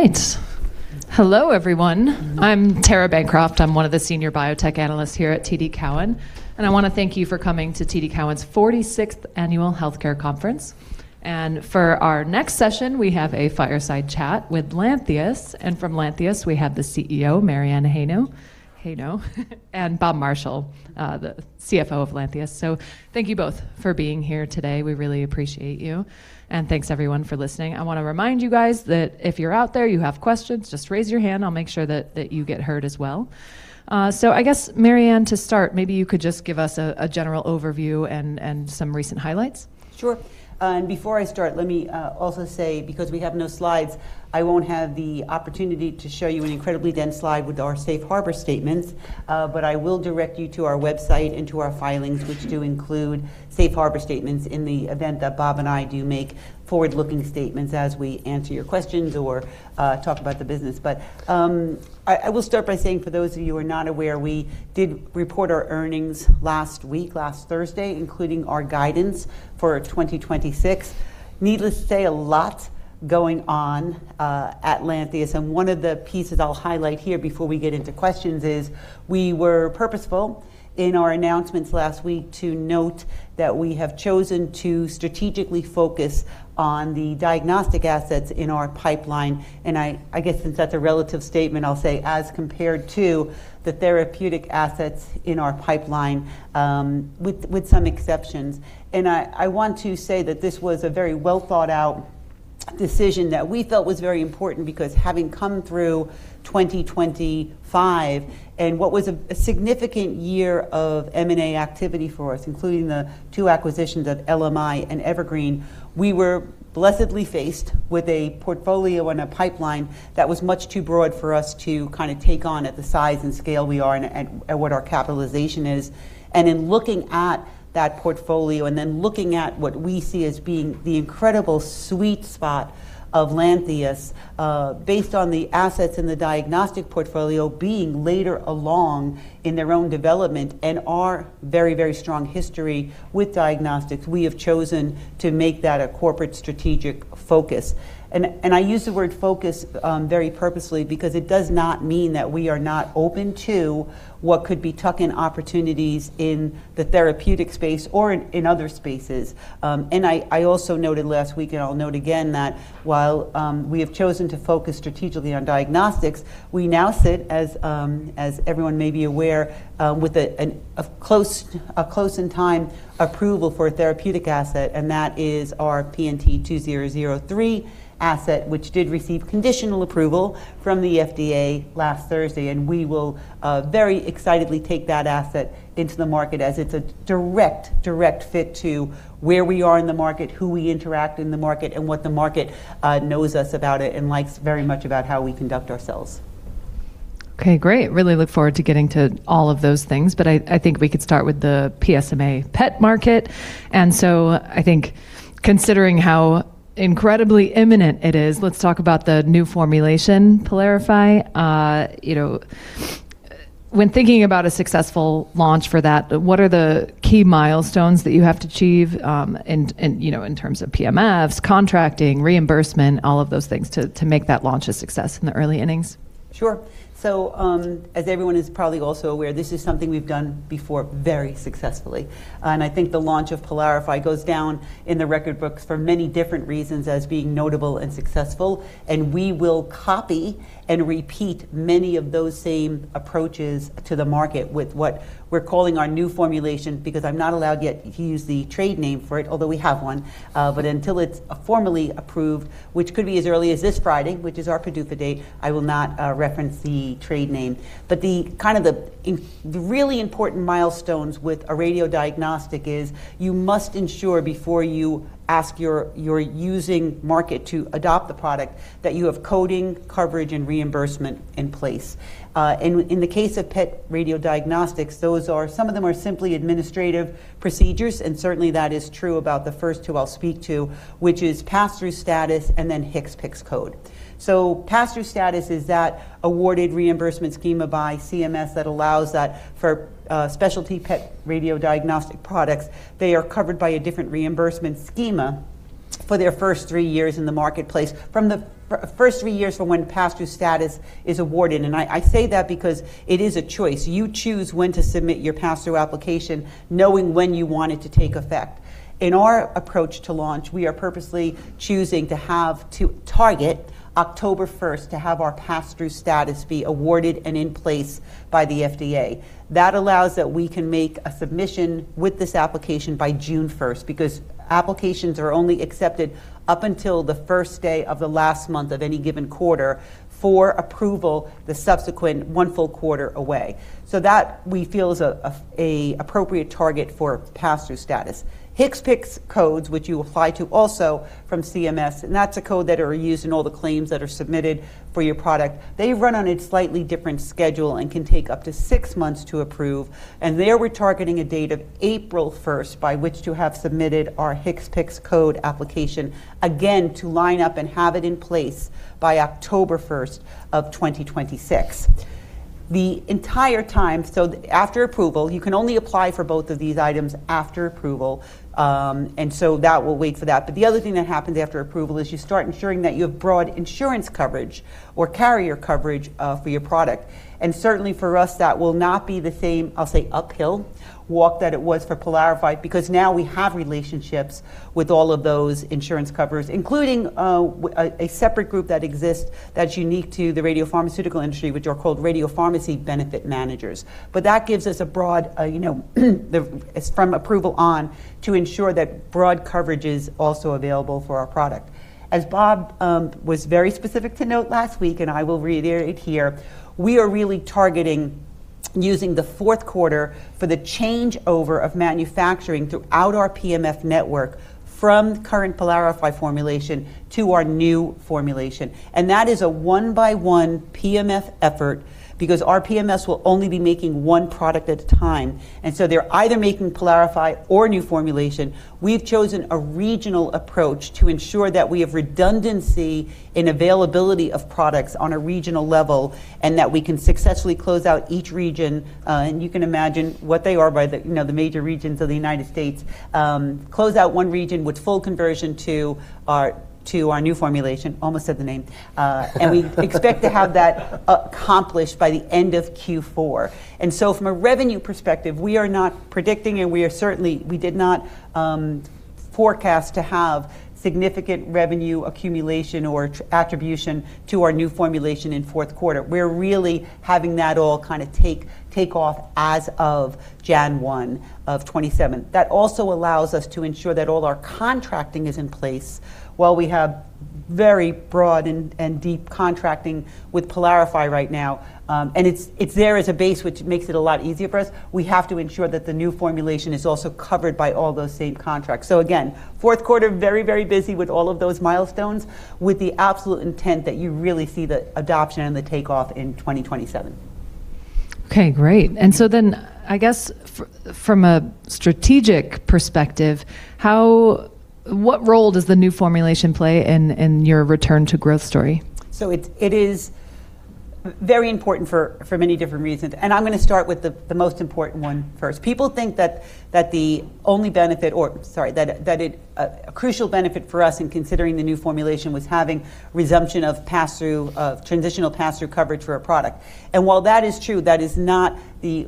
All right. Hello everyone. I'm Tara Bancroft. I'm one of the senior biotech analysts here at TD Cowen. I wanna thank you for coming to TD Cowen's 46th Annual Healthcare Conference. For our next session, we have a fireside chat with Lantheus. From Lantheus, we have the CEO, Mary Anne Heino, and Robert Marshall, the CFO of Lantheus. Thank you both for being here today. We really appreciate you, and thanks everyone for listening. I wanna remind you guys that if you're out there, you have questions, just raise your hand. I'll make sure that you get heard as well. I guess, Mary Anne, to start, maybe you could just give us a general overview and some recent highlights. Sure. Before I start, let me also say, because we have no slides, I won't have the opportunity to show you an incredibly dense slide with our safe harbor statements. I will direct you to our website and to our filings, which do include safe harbor statements in the event that Robert and I do make forward-looking statements as we answer your questions or talk about the business. I will start by saying, for those of you who are not aware, we did report our earnings last week, last Thursday, including our guidance for 2026. Needless to say, a lot going on at Lantheus. One of the pieces I'll highlight here before we get into questions is we were purposeful in our announcements last week to note that we have chosen to strategically focus on the diagnostic assets in our pipeline. I guess since that's a relative statement, I'll say as compared to the therapeutic assets in our pipeline, with some exceptions. I want to say that this was a very well-thought-out decision that we felt was very important because having come through 2025 and what was a significant year of M&A activity for us, including the two acquisitions of LMI and Evergreen, we were blessedly faced with a portfolio and a pipeline that was much too broad for us to kinda take on at the size and scale we are and at what our capitalization is. In looking at that portfolio and then looking at what we see as being the incredible sweet spot of Lantheus, based on the assets in the diagnostic portfolio being later along in their own development and our very strong history with diagnostics, we have chosen to make that a corporate strategic focus. I use the word focus very purposely because it does not mean that we are not open to what could be tuck-in opportunities in the therapeutic space or in other spaces. I also noted last week, and I'll note again that while we have chosen to focus strategically on diagnostics, we now sit as everyone may be aware with a close in time approval for a therapeutic asset, and that is our PNT2003 asset, which did receive conditional approval from the FDA last Thursday. We will very excitedly take that asset into the market as it's a direct fit to where we are in the market, who we interact in the market, and what the market knows us about it and likes very much about how we conduct ourselves. Great. Really look forward to getting to all of those things, but I think we could start with the PSMA PET market. I think considering how incredibly imminent it is, let's talk about the new formulation, PYLARIFY. You know, when thinking about a successful launch for that, what are the key milestones that you have to achieve, in terms of PMFs, contracting, reimbursement, all of those things to make that launch a success in the early innings? Sure. As everyone is probably also aware, this is something we've done before very successfully. I think the launch of PYLARIFY goes down in the record books for many different reasons as being notable and successful. We will copy and repeat many of those same approaches to the market with what we're calling our new formulation because I'm not allowed yet to use the trade name for it, although we have one. Until it's formally approved, which could be as early as this Friday, which is our PDUFA date, I will not reference the trade name. The kind of the really important milestones with a radiodiagnostic is you must ensure before you ask your using market to adopt the product that you have coding, coverage, and reimbursement in place. In the case of PET radiodiagnostics, some of them are simply administrative procedures, and certainly that is true about the first, two I'll speak to, which is pass-through status and then HCPCS code. Pass-through status is that awarded reimbursement schema by CMS that allows that for specialty PET radiodiagnostic products. They are covered by a different reimbursement schema for their first 3 years in the marketplace from the first 3 years from when pass-through status is awarded. I say that because it is a choice. You choose when to submit your pass-through application, knowing when you want it to take effect. In our approach to launch, we are purposely choosing to target October first to have our pass-through status be awarded and in place by the FDA. That allows that we can make a submission with this application by June first, because applications are only accepted up until the first day of the last month of any given quarter for approval the subsequent one full quarter away. That we feel is a appropriate target for pass-through status. HCPCS codes, which you apply to also from CMS, that's a code that are used in all the claims that are submitted for your product. They run on a slightly different schedule and can take up to six months to approve. There we're targeting a date of April 1st by which to have submitted our HCPCS code application, again, to line up and have it in place by October 1st of 2026. The entire time, so after approval, you can only apply for both of these items after approval. That will wait for that. The other thing that happens after approval is you start ensuring that you have broad insurance coverage or carrier coverage for your product. Certainly for us, that will not be the same, I'll say, uphill walk that it was for PYLARIFY, because now we have relationships with all of those insurance covers, including a separate group that exists that's unique to the radiopharmaceutical industry, which are called Radiology Benefit Managers. That gives us a broad, you know, from approval on to ensure that broad coverage is also available for our product. As Robert was very specific to note last week, and I will reiterate here, we are really targeting using the fourth quarter for the changeover of manufacturing throughout our PMF network from the current PYLARIFY formulation to our new formulation. That is a one-by-one PMF effort because our PMS will only be making one product at a time. They're either making PYLARIFY or new formulation. We've chosen a regional approach to ensure that we have redundancy and availability of products on a regional level, and that we can successfully close out each region, and you can imagine what they are by the, you know, the major regions of the United States, close out one region with full conversion to our, to our new formulation, almost said the name. We expect to have that accomplished by the end of Q4. From a revenue perspective, we are not predicting, and we certainly did not forecast to have significant revenue accumulation or at-attribution to our new formulation in fourth quarter. We're really having that all kinda take off as of January 1 of 2027. That also allows us to ensure that all our contracting is in place while we have very broad and deep contracting with PYLARIFY right now. And it's there as a base, which makes it a lot easier for us. We have to ensure that the new formulation is also covered by all those same contracts. Again, fourth quarter, very, very busy with all of those milestones, with the absolute intent that you really see the adoption and the takeoff in 2027. Okay, great. I guess from a strategic perspective, what role does the new formulation play in your return to growth story? It is very important for many different reasons, and I'm gonna start with the most important one first. People think that the only benefit or a crucial benefit for us in considering the new formulation was having resumption of pass-through, transitional pass-through coverage for a product. While that is true, that is not the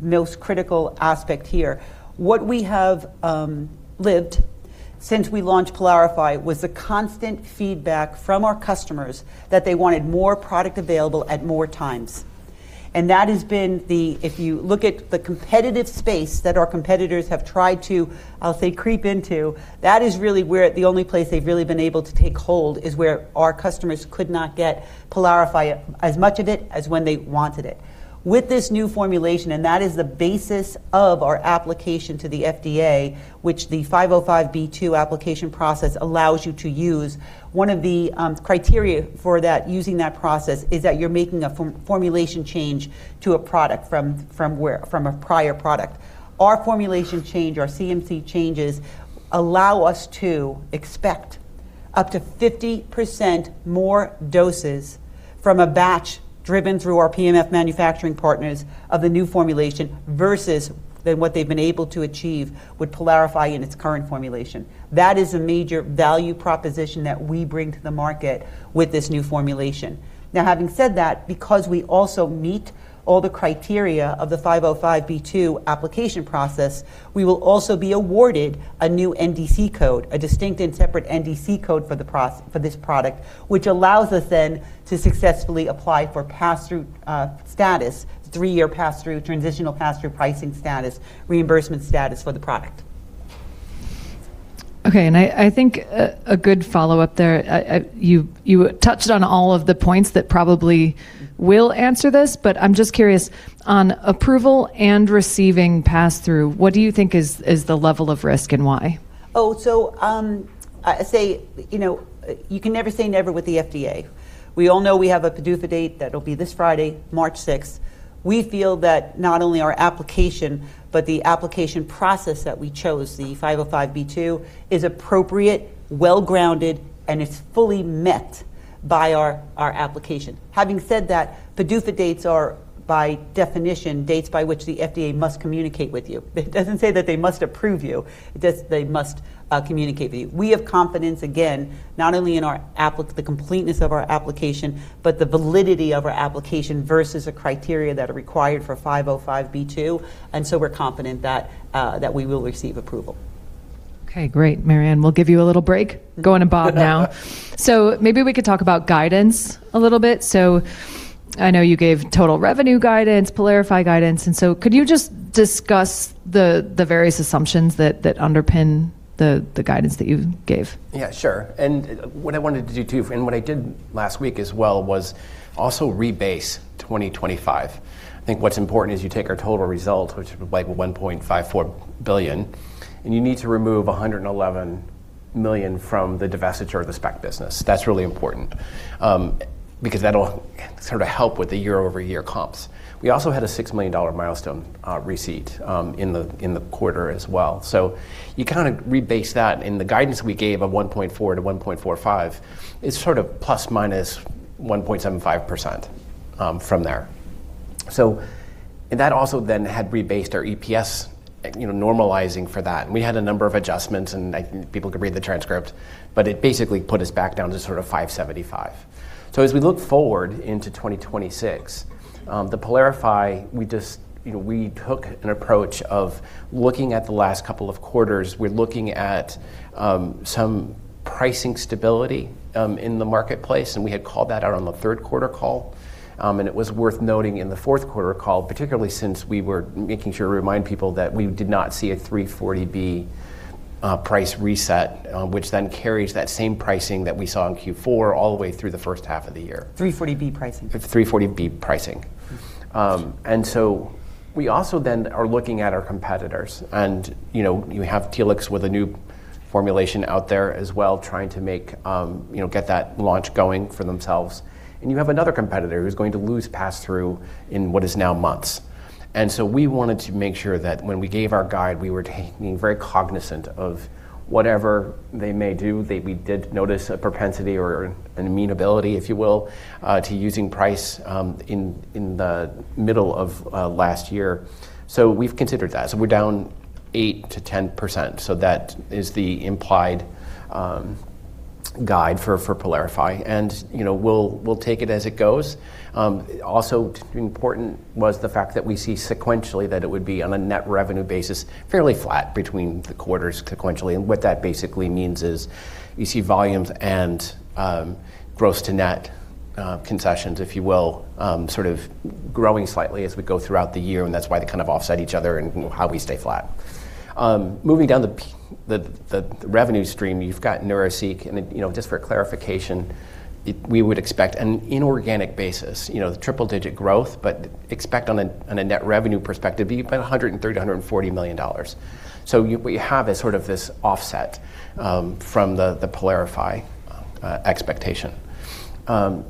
most critical aspect here. What we have lived since we launched PYLARIFY was the constant feedback from our customers that they wanted more product available at more times. If you look at the competitive space that our competitors have tried to, I'll say, creep into, that is really where the only place they've really been able to take hold is where our customers could not get PYLARIFY, as much of it as when they wanted it. With this new formulation, that is the basis of our application to the FDA, which the 505(b)(2) application process allows you to use, one of the criteria for that, using that process is that you're making a formulation change to a product from a prior product. Our formulation change, our CMC changes allow us to expect up to 50% more doses from a batch driven through our PMF manufacturing partners of the new formulation versus than what they've been able to achieve with PYLARIFY in its current formulation. That is a major value proposition that we bring to the market with this new formulation. Now, having said that, because we also meet all the criteria of the 505(b)(2) application process, we will also be awarded a new NDC code, a distinct and separate NDC code for this product, which allows us then to successfully apply for pass-through status, three-year pass-through, transitional pass-through pricing status, reimbursement status for the product. Okay. I think a good follow-up there. You touched on all of the points that probably will answer this, but I'm just curious on approval and receiving pass-through, what do you think is the level of risk and why? I say, you know, you can never say never with the FDA. We all know we have a PDUFA date that'll be this Friday, March sixth. We feel that not only our application, but the application process that we chose, the 505(b)(2), is appropriate, well-grounded, and it's fully met by our application. Having said that, PDUFA dates are by definition, dates by which the FDA must communicate with you. It doesn't say that they must approve you. It says they must communicate with you. We have confidence, again, not only in the completeness of our application, but the validity of our application versus the criteria that are required for 505(b)(2), we're confident that we will receive approval. Okay, great. Maryanne, we'll give you a little break. Going to Robert now. Maybe we could talk about guidance a little bit. I know you gave total revenue guidance, PYLARIFY guidance, could you just discuss the various assumptions that underpin the guidance that you gave? Yeah, sure. What I wanted to do too, and what I did last week as well, was also rebase 2025. I think what's important is you take our total result, which is like $1.54 billion, and you need to remove $111 million from the divestiture of the SPECT business. That's really important, because that'll sort of help with the year-over-year comps. We also had a $6 million milestone receipt in the quarter as well. You kinda rebase that, and the guidance we gave of $1.4 billion-$1.45 billion is sort of ±1.75% from there. That also then had rebased our EPS, you know, normalizing for that. We had a number of adjustments, and I think people could read the transcript but it basically put us back down to sort of $575. As we look forward into 2026, the PYLARIFY, we just, you know, we took an approach of looking at the last couple of quarters. We're looking at some pricing stability in the marketplace, and we had called that out on the 3rd quarter call. It was worth noting in the 4th quarter call, particularly since we were making sure to remind people that we did not see a 340B price reset, which then carries that same pricing that we saw in Q4 all the way through the first half of the year. 340B pricing. 340B pricing. We also then are looking at our competitors and, you know, you have Telix with a new formulation out there as well, trying to make, you know, get that launch going for themselves. You have another competitor who's going to lose pass-through in what is now months. We wanted to make sure that when we gave our guide, we were taking very cognizant of whatever they may do. We did notice a propensity or an amenability, if you will, to using price in the middle of last year. We've considered that. We're down 8%-10%. That is the implied guide for PYLARIFY. You know, we'll take it as it goes. Also important was the fact that we see sequentially that it would be on a net revenue basis, fairly flat between the quarters sequentially. What that basically means is you see volumes and gross to net concessions, if you will, sort of growing slightly as we go throughout the year, and that's why they kind of offset each other and how we stay flat. Moving down the revenue stream, you've got Neuraceq and, you know, just for clarification, we would expect an inorganic basis, you know, the triple digit growth, but expect on a net revenue perspective, be about $130 million-$140 million. What you have is sort of this offset from the PYLARIFY expectation.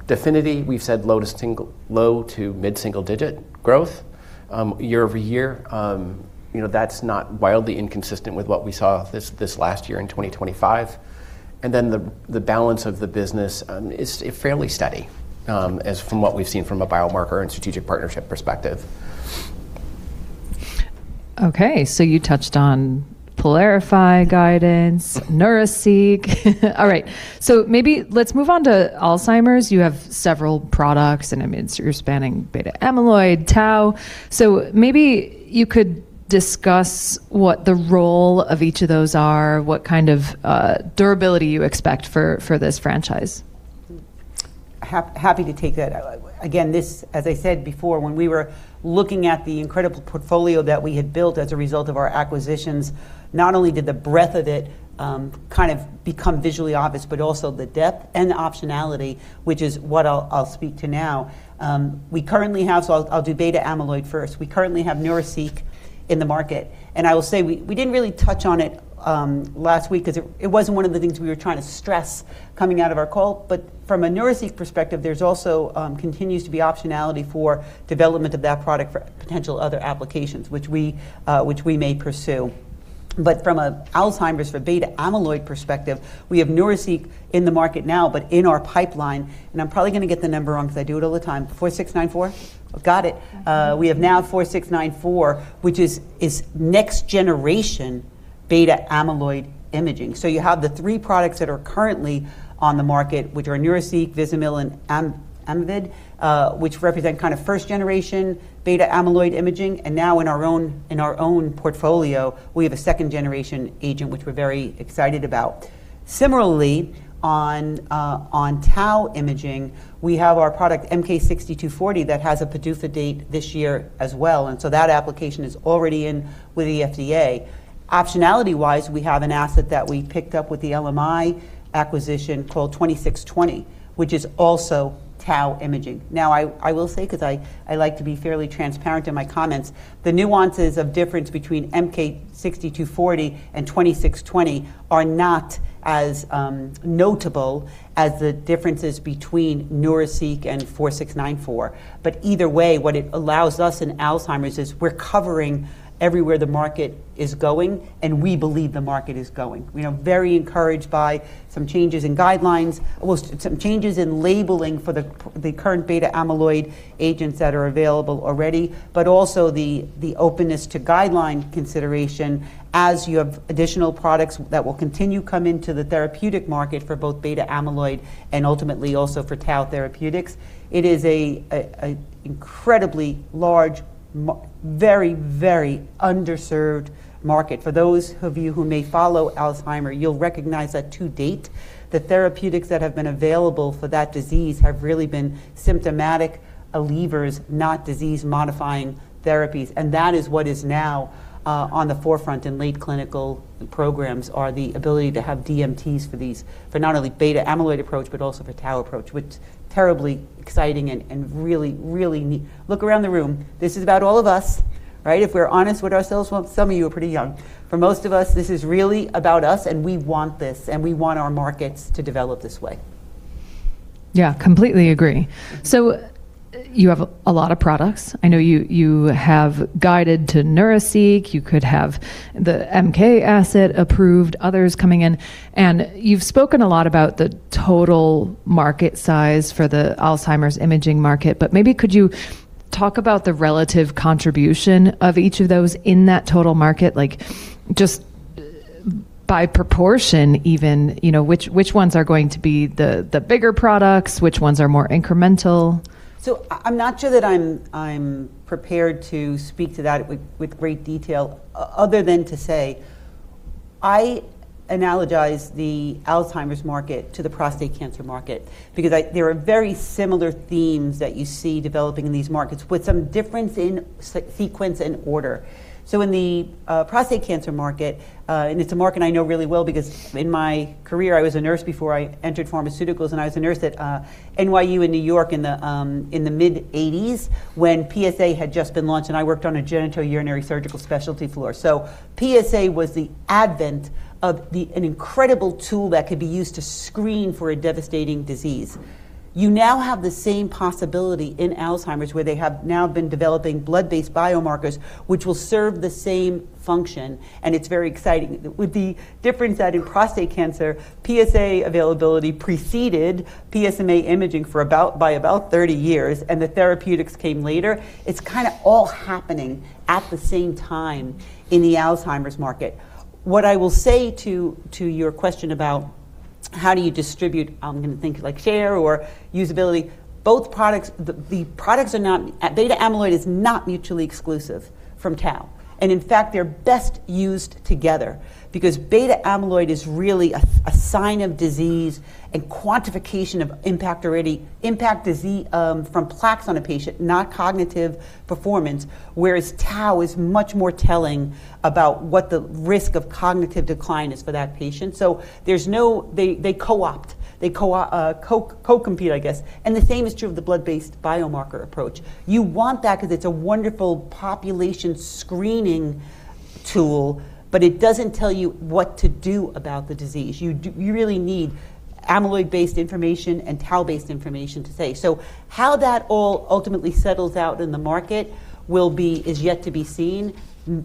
DEFINITY, we've said low to mid-single digit growth year-over-year. You know, that's not wildly inconsistent with what we saw this last year in 2025. The balance of the business is fairly steady as from what we've seen from a biomarker and strategic partnership perspective. Okay. You touched on PYLARIFY guidance, Neuraceq. All right. Maybe let's move on to Alzheimer's. You have several products, and I mean, so you're spanning amyloid beta, tau. Maybe you could discuss what the role of each of those are, what kind of durability you expect for this franchise? Happy to take that. Again, this, as I said before, when we were looking at the incredible portfolio that we had built as a result of our acquisitions, not only did the breadth of it, kind of become visually obvious, but also the depth and the optionality, which is what I'll speak to now. We currently have... I'll do beta amyloid first. We currently have Neuraceq in the market. I will say we didn't really touch on it last week 'cause it wasn't one of the things we were trying to stress coming out of our call. From a Neuraceq perspective, there's also, continues to be optionality for development of that product for potential other applications, which we may pursue. From a Alzheimer's for beta-amyloid perspective, we have Neuraceq in the market now, but in our pipeline, and I'm probably gonna get the number wrong 'cause I do it all the time. NAV-4694? Got it. We have now NAV-4694, which is next generation beta-amyloid imaging. You have the three products that are currently on the market, which are Neuraceq, Vizamyl, and Amyvid, which represent kind of first generation beta-amyloid imaging. Now in our own portfolio, we have a second generation agent, which we're very excited about. Similarly, on tau imaging, we have our product MK-6240 that has a PDUFA date this year as well. That application is already in with the FDA. Optionality-wise, we have an asset that we picked up with the LMI acquisition called 2620, which is also tau imaging. Now, I will say, 'cause I like to be fairly transparent in my comments, the nuances of difference between MK-6240 and 2620 are not as notable as the differences between NeuroSeq and NAV-4694. Either way, what it allows us in Alzheimer's is we're covering everywhere the market is going, and we believe the market is going. We are very encouraged by some changes in guidelines, well, some changes in labeling for the current beta amyloid agents that are available already, but also the openness to guideline consideration as you have additional products that will continue come into the therapeutic market for both beta amyloid and ultimately also for tau therapeutics. It is a incredibly large very underserved market. For those of you who may follow Alzheimer's, you'll recognize that to date, the therapeutics that have been available for that disease have really been symptomatic relievers, not disease-modifying therapies. That is what is now on the forefront in late clinical programs are the ability to have DMTs for these, for not only beta amyloid approach, but also for tau approach, which terribly exciting and really neat. Look around the room. This is about all of us, right? If we're honest with ourselves. Well, some of you are pretty young. For most of us, this is really about us, and we want this, and we want our markets to develop this way. Yeah, completely agree. You have a lot of products. I know you have guided to Neuraceq. You could have the MK asset approved, others coming in. You've spoken a lot about the total market size for the Alzheimer's imaging market. Maybe could you talk about the relative contribution of each of those in that total market? Like, just by proportion even, you know, which ones are going to be the bigger products? Which ones are more incremental? I'm not sure that I'm prepared to speak to that with great detail other than to say I analogize the Alzheimer's market to the prostate cancer market because there are very similar themes that you see developing in these markets with some difference in sequence and order. In the prostate cancer market, and it's a market I know really well because in my career I was a nurse before I entered pharmaceuticals, and I was a nurse at NYU in New York in the mid-80s when PSA had just been launched, and I worked on a genitourinary surgical specialty floor. PSA was the advent of an incredible tool that could be used to screen for a devastating disease. You now have the same possibility in Alzheimer's, where they have now been developing blood-based biomarkers which will serve the same function, and it's very exciting. With the difference that in prostate cancer, PSA availability preceded PSMA imaging by about 30 years, and the therapeutics came later. It's kinda all happening at the same time in the Alzheimer's market. What I will say to your question about how do you distribute things like share or usability, The products are not amyloid beta is not mutually exclusive from tau, and in fact they're best used together because amyloid beta is really a sign of disease and quantification of impact already, impact from plaques on a patient, not cognitive performance, whereas tau is much more telling about what the risk of cognitive decline is for that patient. There's no. They co-opt. They compete, I guess. The same is true of the blood-based biomarker approach. You want that 'cause it's a wonderful population screening tool, but it doesn't tell you what to do about the disease. You really need amyloid-based information and tau-based information to say. How that all ultimately settles out in the market will be. Is yet to be seen.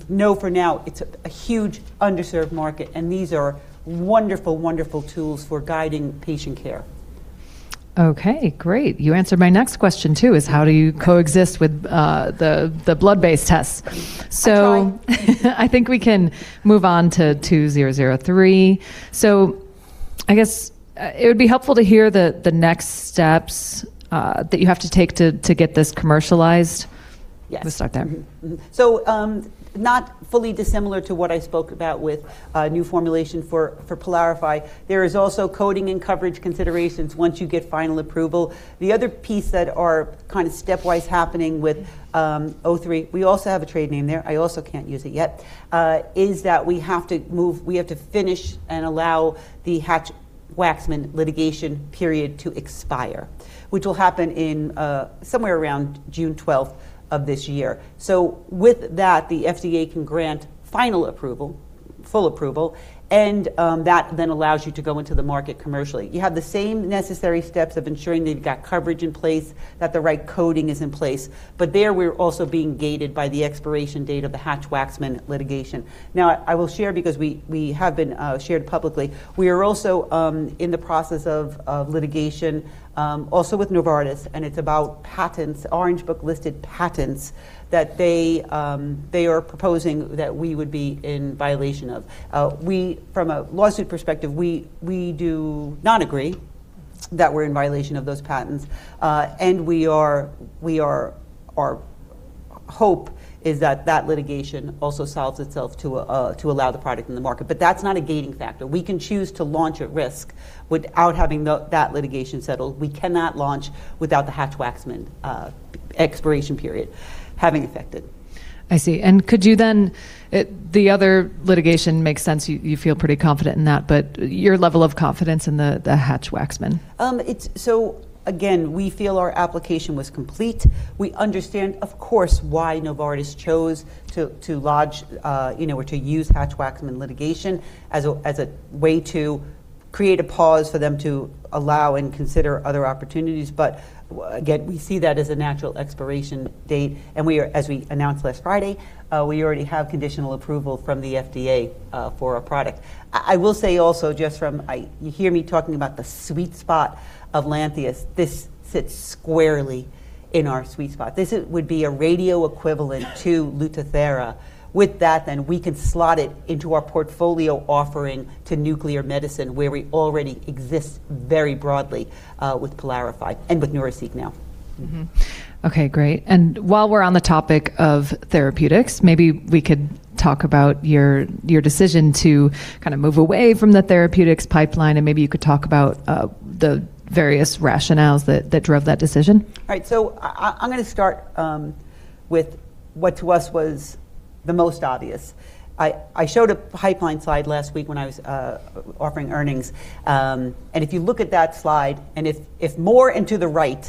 No, for now, it's a huge underserved market, and these are wonderful tools for guiding patient care. Okay, great. You answered my next question too, is how do you coexist with the blood-based tests? I try. I think we can move on to PNT2003. I guess, it would be helpful to hear the next steps that you have to take to get this commercialized. Yes. Let's start there. Mm-hmm. Mm-hmm. Not fully dissimilar to what I spoke about with a new formulation for PYLARIFY. There is also coding and coverage considerations once you get final approval. The other piece that are kind of stepwise happening with PNT2003, we also have a trade name there, I also can't use it yet, is that we have to finish and allow the Hatch-Waxman litigation period to expire, which will happen somewhere around June 12th of this year. With that, the FDA can grant final approval, full approval, and that then allows you to go into the market commercially. You have the same necessary steps of ensuring that you've got coverage in place, that the right coding is in place. There, we're also being gated by the expiration date of the Hatch-Waxman litigation. Now, I will share, because we have been shared publicly, we are also in the process of litigation, also with Novartis, and it's about patents, Orange Book listed patents that they are proposing that we would be in violation of. From a lawsuit perspective, we do not agree that we're in violation of those patents, and we are, our hope is that that litigation also solves itself to allow the product in the market. That's not a gating factor. We can choose to launch at risk without having that litigation settled. We cannot launch without the Hatch-Waxman expiration period having affected. I see. Could you then... the other litigation makes sense, you feel pretty confident in that. Your level of confidence in the Hatch-Waxman? Again, we feel our application was complete. We understand, of course, why Novartis chose to lodge, you know, or to use Hatch-Waxman litigation as a way to create a pause for them to allow and consider other opportunities. Again, we see that as a natural expiration date, and we are, as we announced last Friday, we already have conditional approval from the FDA for a product. I will say also, just from you hear me talking about the sweet spot of Lantheus. This sits squarely in our sweet spot. This it would be a radio equivalent to Lutathera. With that, then we can slot it into our portfolio offering to nuclear medicine, where we already exist very broadly, with PYLARIFY and with NEUROLITE now. Okay, great. While we're on the topic of therapeutics, maybe we could talk about your decision to kind of move away from the therapeutics pipeline, maybe you could talk about the various rationales that drove that decision. All right. I'm gonna start with what to us was the most obvious. I showed a pipeline slide last week when I was offering earnings, if you look at that slide, if more and to the right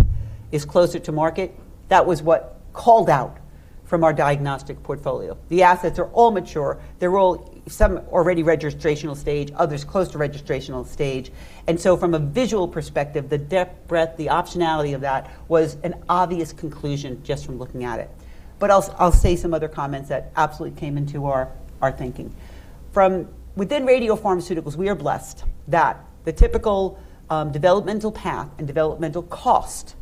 is closer to market, that was what called out from our diagnostic portfolio. The assets are all mature. They're all some already registrational stage, others close to registrational stage. From a visual perspective, the depth, breadth, the optionality of that was an obvious conclusion just from looking at it. I'll say some other comments that absolutely came into our thinking. From within radiopharmaceuticals, we are blessed that the typical developmental path and developmental cost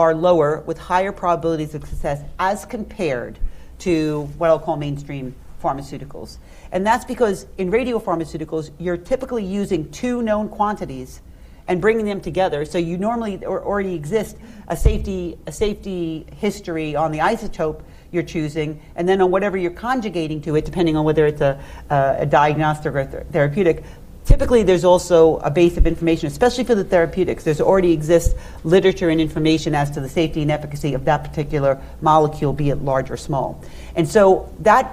are lower with higher probabilities of success as compared to what I'll call mainstream pharmaceuticals. That's because in radiopharmaceuticals, you're typically using 2 known quantities and bringing them together. You normally or already exist a safety history on the isotope you're choosing, and then on whatever you're conjugating to it, depending on whether it's a diagnostic or therapeutic. Typically, there's also a base of information, especially for the therapeutics. There's already exists literature and information as to the safety and efficacy of that particular molecule, be it large or small. That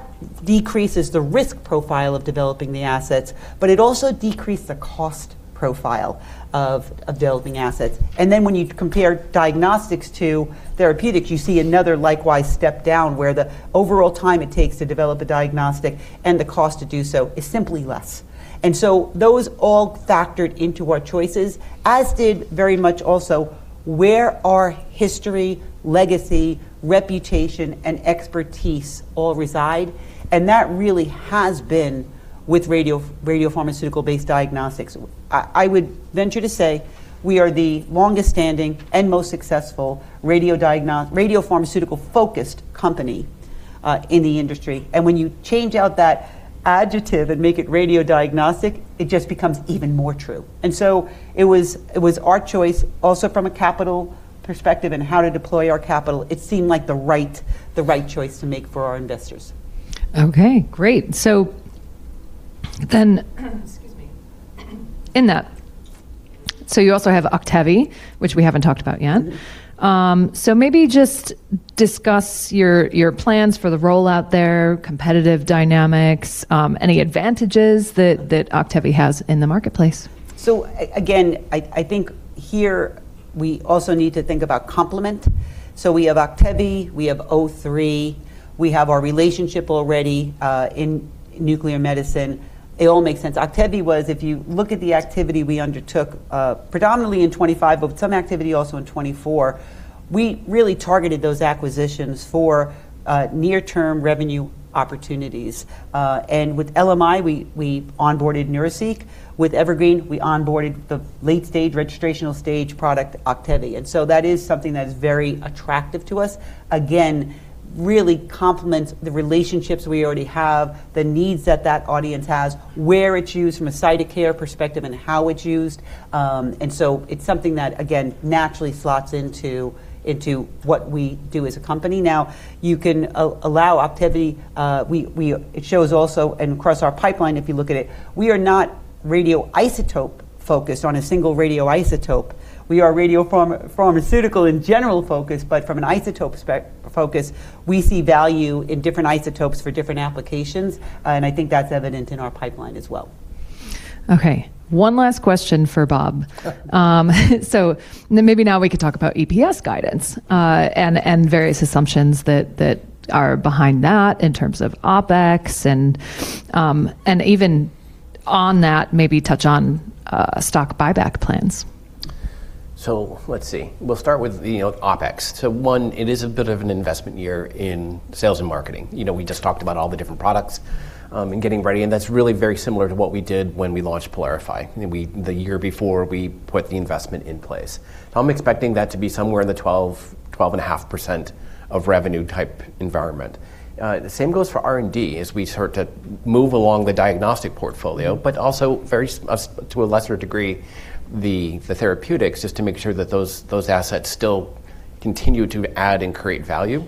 decreases the risk profile of developing the assets, but it also decreased the cost profile of developing assets. When you compare diagnostics to therapeutics, you see another likewise step down where the overall time it takes to develop a diagnostic and the cost to do so is simply less. Those all factored into our choices, as did very much also where our history, legacy, reputation, and expertise all reside, and that really has been with radiopharmaceutical-based diagnostics. I would venture to say we are the longest standing and most successful radiopharmaceutical-focused company in the industry. When you change out that adjective and make it radiodiagnostic, it just becomes even more true. It was our choice also from a capital perspective and how to deploy our capital. It seemed like the right choice to make for our investors. Okay, great. Excuse me. In that, you also have OCTEVY, which we haven't talked about yet. Mm-hmm. Maybe just discuss your plans for the rollout there, competitive dynamics, any advantages that OCTEVY has in the marketplace. Again, I think here we also need to think about complement. We have OCTEVY, we have O three, we have our relationship already in nuclear medicine. It all makes sense. OCTEVY was, if you look at the activity we undertook, predominantly in 25, but some activity also in 24, we really targeted those acquisitions for near term revenue opportunities. With LMI, we onboarded Neuroseq. With Evergreen, we onboarded the late stage, registrational stage product, OCTEVY. That is something that is very attractive to us. Again, really complements the relationships we already have, the needs that that audience has, where it's used from a side of care perspective and how it's used. It's something that, again, naturally slots into what we do as a company. It shows also and across our pipeline, if you look at it, we are not radioisotope focused on a single radioisotope. We are radiopharmaceutical in general focus, but from an isotope focus, we see value in different isotopes for different applications, and I think that's evident in our pipeline as well. Okay, one last question for Robert. Sure. Maybe now we could talk about EPS guidance and various assumptions that are behind that in terms of OpEx and even on that, maybe touch on stock buyback plans. Let's see. We'll start with the, you know, OpEx. One, it is a bit of an investment year in sales and marketing. You know, we just talked about all the different products and getting ready, and that's really very similar to what we did when we launched PYLARIFY. The year before we put the investment in place. I'm expecting that to be somewhere in the 12%, 12.5% of revenue type environment. The same goes for R&D as we start to move along the diagnostic portfolio, but also to a lesser degree, the therapeutics, just to make sure that those assets still continue to add and create value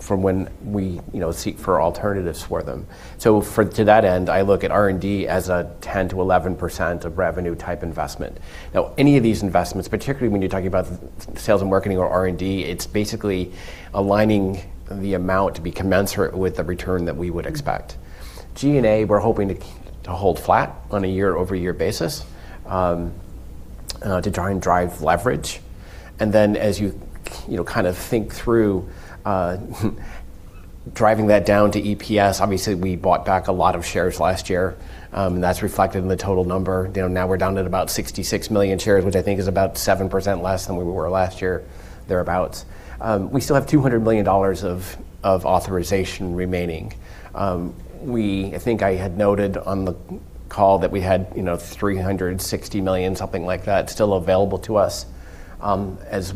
for when we, you know, seek for alternatives for them. To that end, I look at R&D as a 10%-11% of revenue type investment. Now, any of these investments, particularly when you're talking about sales and marketing or R&D, it's basically aligning the amount to be commensurate with the return that we would expect. G&A, we're hoping to hold flat on a year-over-year basis to try and drive leverage. As you know, kind of think through driving that down to EPS, obviously, we bought back a lot of shares last year, and that's reflected in the total number. You know, now we're down to about 66 million shares, which I think is about 7% less than we were last year, thereabout. We still have $200 million of authorization remaining. I think I had noted on the call that we had, you know, $360 million, something like that, still available to us, as.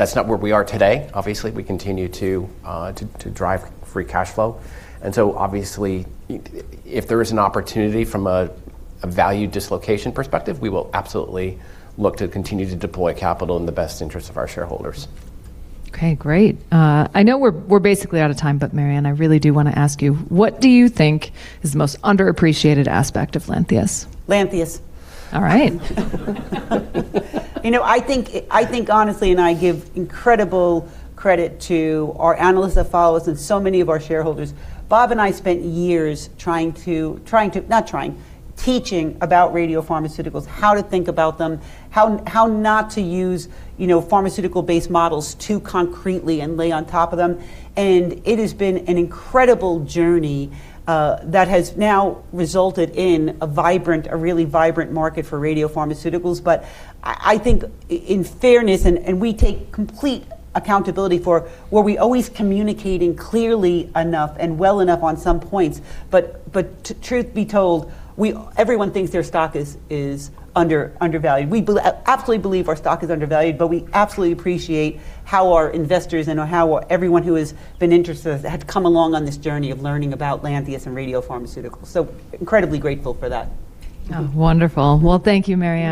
That's not where we are today. Obviously, we continue to drive free cash flow. Obviously, if there is an opportunity from a value dislocation perspective, we will absolutely look to continue to deploy capital in the best interest of our shareholders. Okay, great. I know we're basically out of time, but Mary Anne, I really do wanna ask you, what do you think is the most underappreciated aspect of Lantheus? Lantheus. All right. You know, I think honestly, and I give incredible credit to our analysts that follow us and so many of our shareholders, Robert and I spent years not trying, teaching about radiopharmaceuticals, how to think about them, how not to use, you know, pharmaceutical-based models too concretely and lay on top of them. It has been an incredible journey that has now resulted in a really vibrant market for radiopharmaceuticals. I think in fairness, and we take complete accountability for were we always communicating clearly enough and well enough on some points. Truth be told, everyone thinks their stock is undervalued. Absolutely believe our stock is undervalued, but we absolutely appreciate how our investors and or how everyone who has been interested had come along on this journey of learning about Lantheus and radiopharmaceuticals. Incredibly grateful for that. Wonderful. Thank you, Mary Anne.